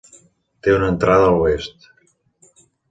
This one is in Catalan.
Té una entrada a l'oest.